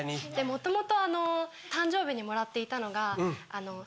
元々誕生日にもらっていたのが。